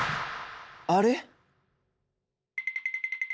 あれ？